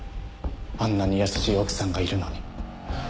あんなに優しい奥さんがいるのに。